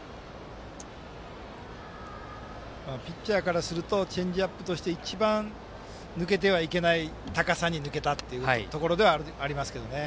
ピッチャーからするとチェンジアップとして一番、抜けてはいけない高さに抜けたというところではあります。